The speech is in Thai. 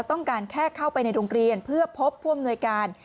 ต้องการแค่เข้าไปในโรงเรียนเพื่อพบผู้อำนวยการ